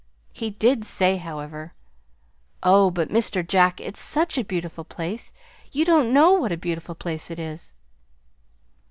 He did say, however: "Oh, but, Mr. Jack, it's such a beautiful place! You don't know what a beautiful place it is."